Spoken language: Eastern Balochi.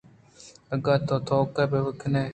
اگاں تو توک ءَبِہ کپئے